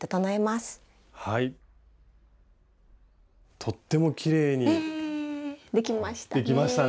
とってもきれいにできましたね。